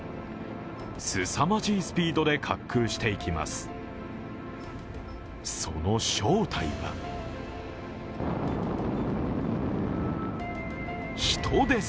すさまじいスピードで滑空していきます。